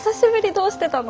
どうしてたの？」